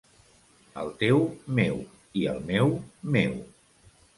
El teu meu, i el meu, meu.